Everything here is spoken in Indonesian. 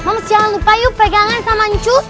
mams jangan lupa yuk pegangan sama cu